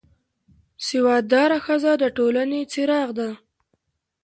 سواد داره ښځه د ټولنې څراغ ده